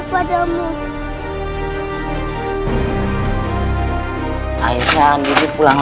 paman ayo kita lanjutkan perjalanan